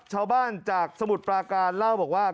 ชาวบ้านจากสมุทรปราการเล่าบอกว่า